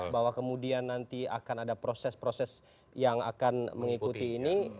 bahwa kemudian nanti akan ada proses proses yang akan mengikuti ini